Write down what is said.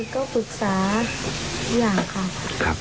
ก็ฝึกษาอย่างครับ